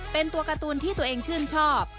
เป็นตัวการ์ตูนที่ตัวเองชื่นชอบ